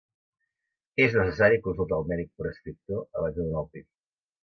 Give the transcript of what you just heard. És necessari consultar al mèdic prescriptor abans de donar el pit.